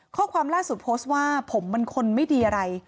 ข้อความล่าสุดโพสต์ว่าผมเป็นคนไม่ดีอะไร